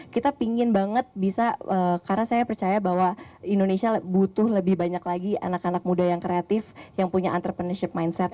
kita pingin banget bisa karena saya percaya bahwa indonesia butuh lebih banyak lagi anak anak muda yang kreatif yang punya entrepreneurship mindset